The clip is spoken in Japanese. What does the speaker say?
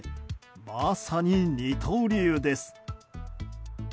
まさに二刀流です。